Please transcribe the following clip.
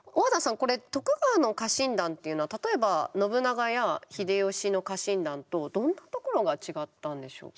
これ徳川の家臣団っていうのは例えば信長や秀吉の家臣団とどんなところが違ったんでしょうか。